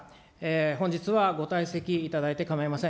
本日はご退席いただいて構いません。